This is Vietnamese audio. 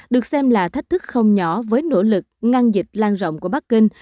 được xem là thách thức không nhỏ với nỗ lực ngăn dịch lan rộng của bắc kinh